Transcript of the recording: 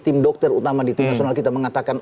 tim dokter utama di tim nasional kita mengatakan